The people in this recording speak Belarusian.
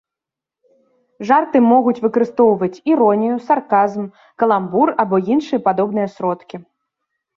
Жарты могуць выкарыстоўваць іронію, сарказм, каламбур або іншыя падобныя сродкі.